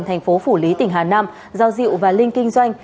thành phố phủ lý tỉnh hà nam do diệu và linh kinh doanh